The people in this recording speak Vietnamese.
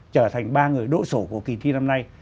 trở thành ba người đỗ sổ của kỳ thi năm nay